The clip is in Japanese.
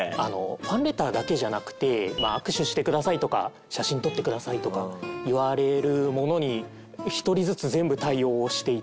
ファンレターだけじゃなくて「握手してください」とか「写真撮ってください」とか言われるものに一人ずつ全部対応をしていて。